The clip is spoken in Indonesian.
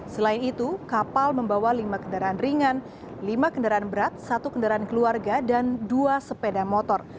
selain itu kapal membawa lima kendaraan ringan lima kendaraan berat satu kendaraan keluarga dan dua sepeda motor